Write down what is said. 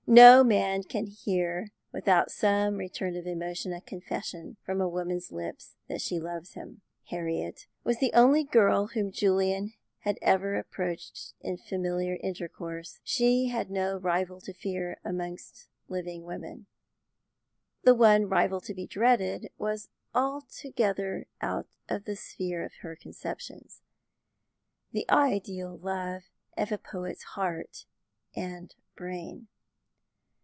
No man can hear without some return of emotion a confession from a woman's lips that she loves him. Harriet was the only girl whom Julian had ever approached in familiar intercourse; she had no rival to fear amongst living women; the one rival to be dreaded was altogether out of the sphere of her conceptions, the ideal love of a poet's heart and brain.